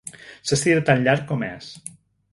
S'estira tan llarg com és.